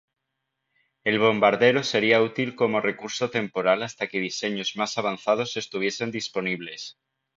El bombardero sería útil como recurso temporal hasta que diseños más avanzados estuviesen disponibles.